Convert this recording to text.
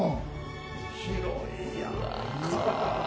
広い。